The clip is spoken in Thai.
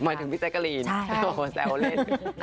หมายถึงพี่แจ๊กกะลีนแซวเล่น